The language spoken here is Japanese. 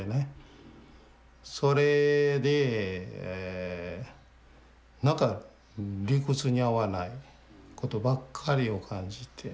それで何か理屈に合わないことばっかりを感じて。